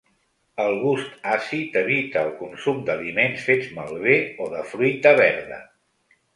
El gust àcid evita el consum d’aliments fets malbé o de fruita verda.